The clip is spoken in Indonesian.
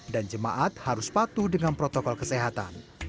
dan jemaat harus patuh dengan protokol kesehatan